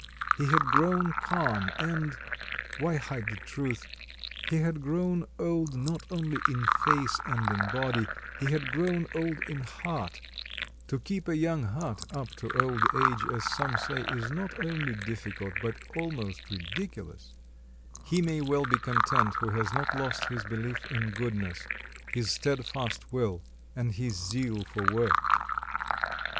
He had grown calm, and why hide the truth? he had grown old not only in face and in body, he had grown old in heart; to keep a young heart up to old age, as some say, is not only difficult, but almost ridiculous; he may well be content who has not lost his belief in goodness, his steadfast will, and his zeal for work.